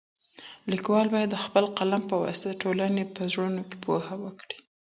ليکوال بايد د خپل قلم په واسطه د ټولني په زړونو کي پوهه وکري.